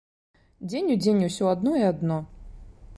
Дзень у дзень усё адно і адно.